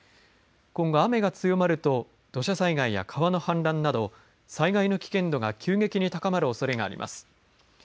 今後、雨が強まると土砂災害や川の氾濫など災害の危険度が急激に高まるおそれがあります。